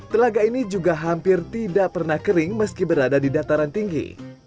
telaga ini juga hampir tidak pernah kering meski berada di dataran tinggi